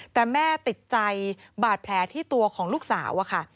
แต่แม่ติดใจบาดแผลที่ตัวของลูกสาวอะค่ะ